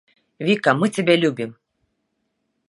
Віка мы цябе любім!